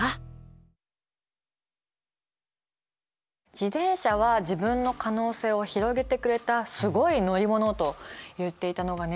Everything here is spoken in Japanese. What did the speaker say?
「自転車は自分の可能性を広げてくれたすごい乗り物」と言っていたのがね